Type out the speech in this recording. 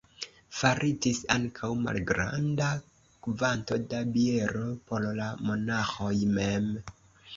Faritis ankaŭ malgranda kvanto da biero por la monaĥoj mem.